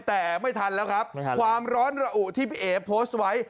แต่ไม่ทันแล้วครับความร้อนระอุที่พี่เอ๋โพสต์ไว้